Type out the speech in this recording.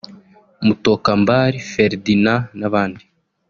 Mutokambari Ferdinand n’abandi